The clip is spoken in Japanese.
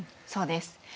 そうです。